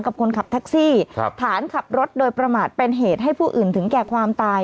กับคนขับแท็กซี่ฐานขับรถโดยประมาทเป็นเหตุให้ผู้อื่นถึงแก่ความตาย